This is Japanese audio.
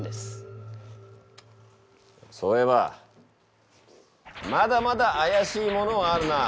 そういえばまだまだ怪しいものはあるな。